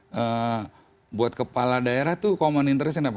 nah buat kepala daerah itu common interestnya apa